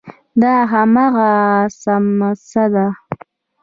دا هماغه څمڅه ده.